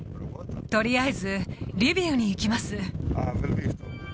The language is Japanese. とりあえずリビウに行きます。